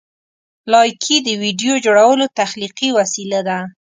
لایکي د ویډیو جوړولو تخلیقي وسیله ده.